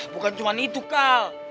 bukan cuma itu kal